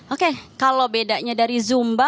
oke kalau bedanya dari zumba